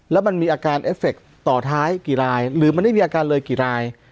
แล้วมันมีอาการเอฟเฟคต่อท้ายกี่รายหรือมันไม่มีอาการเลยกี่ราย